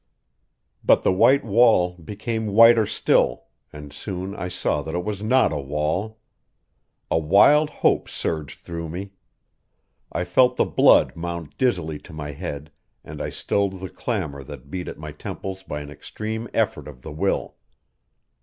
But the white wall became whiter still, and soon I saw that it was not a wall. A wild hope surged through me; I felt the blood mount dizzily to my head, and I stilled the clamor that beat at my temples by an extreme effort of the will.